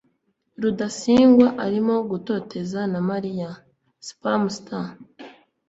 rudasingwa arimo gutotezwa na mariya. (spamster